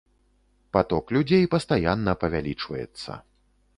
Паток людзей пастаянна павялічваецца.